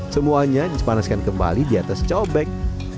semuanya dipanaskan kembali di atas cobek